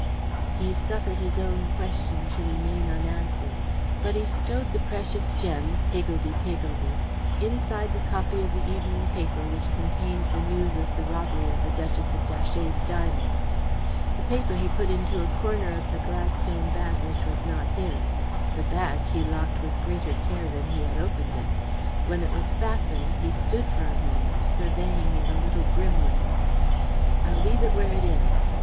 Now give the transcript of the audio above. He suffered his own question to remain unanswered; but he stowed the precious gems, higgledy piggledy, inside the copy of the evening paper which contained the news of the robbery of the Duchess of Datchet's diamonds; the paper he put into a corner of the Gladstone bag which was not his; the bag he locked with greater care than he had opened it. When it was fastened, he stood for a moment, surveying it a little grimly. "I'll leave it where it is.